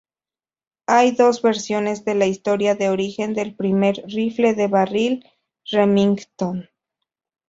Hay dos versiones de la historia de origen del primer rifle de barril Remington.